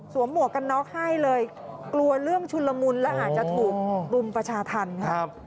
หมวกกันน็อกให้เลยกลัวเรื่องชุนละมุนและอาจจะถูกรุมประชาธรรมค่ะ